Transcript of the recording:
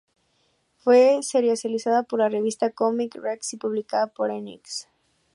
Fue serializada por la revista Comic Rex y publicada por Enix.